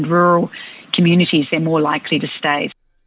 mereka lebih mungkin untuk tinggal